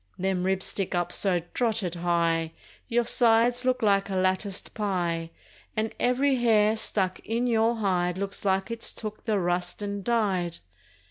Them ribs stick up so drotted high Your sides look like a latticed pie, And every hair stuck in your hide Looks like it's took the rust and died!